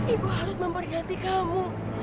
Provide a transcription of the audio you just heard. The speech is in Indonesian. ibu harus memperhati kamu